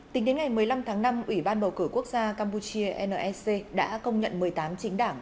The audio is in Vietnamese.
tính đến ngày một mươi năm tháng năm ủy ban bầu cử quốc gia campuchia nec đã công nhận một mươi tám chính đảng